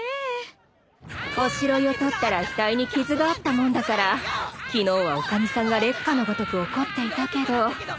おしろいを取ったら額に傷があったもんだから昨日は女将さんが烈火のごとく怒っていたけど。